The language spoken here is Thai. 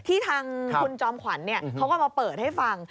ที่ทางคุณจอมขวัญเขาก็มาเปิดให้ฟัง